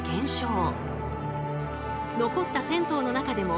残った銭湯の中でも